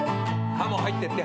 ハモ入ってって。